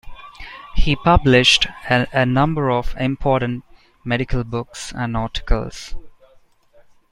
He published a number of important medical books and articles.